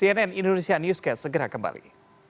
hai cnn indonesia newscast segera kembali